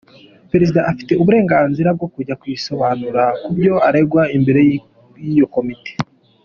Perezida afite uburenganzira bwo kujya kwisobanura kubyo aregwa imbere y’iyo komite.